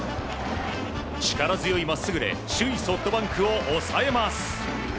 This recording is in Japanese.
力強いまっすぐで首位ソフトバンクを抑えます。